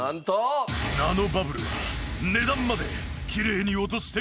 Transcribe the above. ナノバブルは値段まできれいに落としてくれるのか？